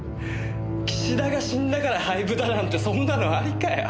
岸田が死んだから廃部だなんてそんなのありかよ。